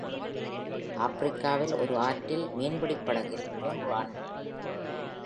ஆப்பிரிக்காவில் ஒரு ஆற்றில் மீன்பிடி படகில் மூன்று ஆண்கள்.